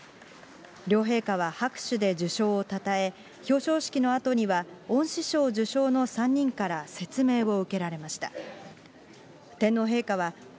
両陛下は拍手で受賞をたたえ、表彰式のあとには、恩賜しょうじゅしょうの３人から説明を受けられました。